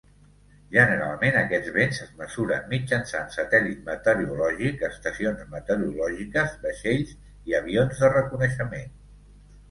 Generalment aquests vents es mesuren mitjançant satèl·lit meteorològic, estacions meteorològiques, vaixells i avions de reconeixement.